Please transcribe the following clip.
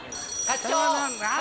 課長！